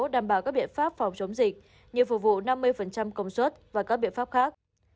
đảm bảo các biện pháp phòng chống dịch như phục vụ năm mươi công suất và các biện pháp khác